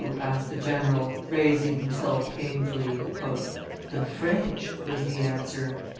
asked the general, raising himself painfully. "The French!" was the answer.